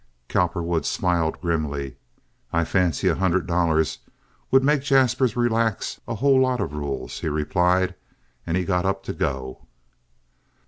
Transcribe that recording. Cowperwood smiled grimly. "I fancy a hundred dollars would make Jaspers relax a whole lot of rules," he replied, and he got up to go.